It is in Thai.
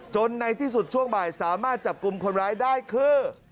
ในที่สุดช่วงบ่ายสามารถจับกลุ่มคนร้ายได้คือ